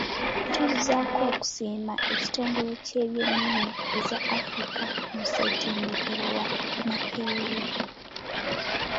Tuzzaako okusiima ekitongole kye by'ennimi za Africa mu ssettendekero wa Makerere.